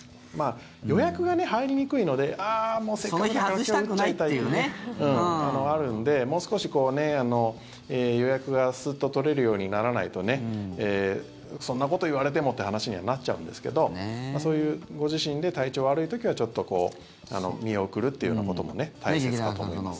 予約が入りにくいのでああ、もうせっかくだから今日打っちゃいたい！というのもあるのでもう少し予約がスッと取れるようにならないとねそんなことを言われてもという話にはなっちゃうんですがそういうご自身で体調悪い時はちょっと見送るということも大切かと思います。